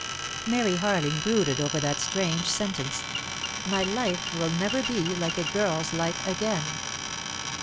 Mary Harling brooded over that strange sentence. "My life will never be like a girl's life again."